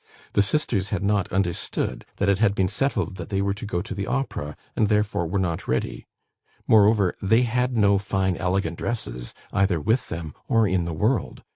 The sisters had not understood that it had been settled that they were to go to the Opera, and therefore were not ready. Moreover, they had no fine elegant dresses either with them, or in the world.